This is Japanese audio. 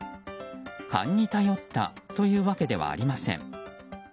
勘に頼ったというわけではありません。